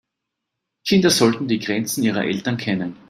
Kinder sollten die Grenzen ihrer Eltern kennen.